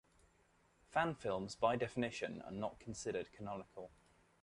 Fan films by definition are not considered canonical.